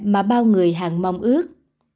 mà bao người hàng mong ước